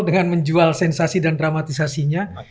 dengan menjual sensasi dan dramatisasinya